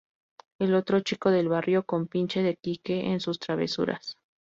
El otro chico del barrio, compinche de Quique en sus travesuras.